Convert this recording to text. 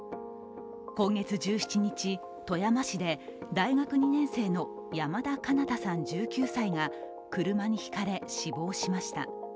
今月１７日、富山市で大学２年生の山田翔向さん１９歳が車にひかれ、死亡しました。